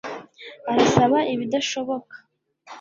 Arasaba ibidashoboka